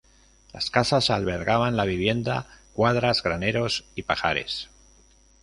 Las casas albergaban la vivienda, cuadras, graneros y pajares.